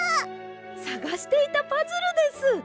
さがしていたパズルです！